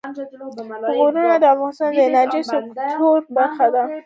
غرونه د افغانستان د انرژۍ سکتور برخه ده.